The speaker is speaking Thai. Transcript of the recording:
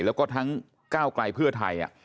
แล้วก็ทั้งก้าวไกลเพื่อไทย